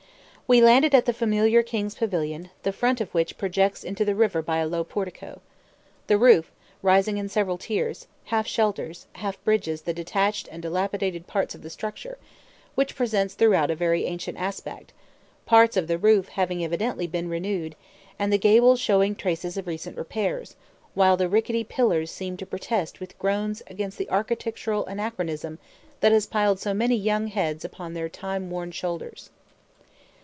We landed at the familiar (king's) pavilion, the front of which projects into the river by a low portico. The roof, rising in several tiers, half shelters, half bridges the detached and dilapidated parts of the structure, which presents throughout a very ancient aspect, parts of the roof having evidently been renewed, and the gables showing traces of recent repairs, while the rickety pillars seem to protest with groans against the architectural anachronism that has piled so many young heads upon their time worn shoulders.